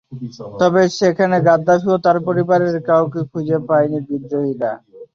তবে সেখানে গাদ্দাফি বা তাঁর পরিবারের কাউকে খুঁজে পায়নি বিদ্রোহীরা।